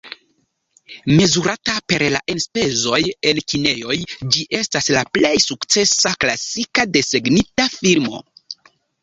Mezurata per la enspezoj en kinejoj ĝi estas la plej sukcesa klasika desegnita filmo.